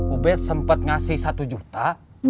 ubed sempat ngasih satu juta